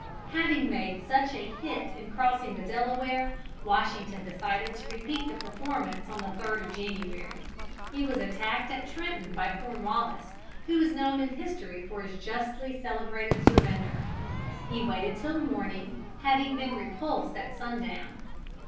Having made such a hit in crossing the Delaware, Washington decided to repeat the performance on the 3d of January. He was attacked at Trenton by Cornwallis, who is known in history for his justly celebrated surrender. He waited till morning, having been repulsed at sundown.